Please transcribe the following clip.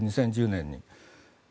２０１０年に。